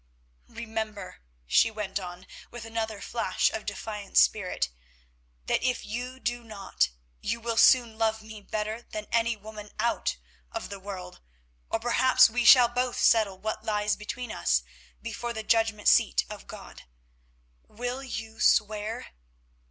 "Remember," she went on, with another flash of defiant spirit, "that if you do not, you will soon love me better than any woman out of the world, or perhaps we shall both settle what lies between us before the Judgment Seat of God. Will you swear?"